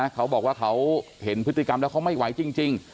เขาบอกว่าเขาเห็นพฤติกรรมแล้วเขาไม่ไหวจริง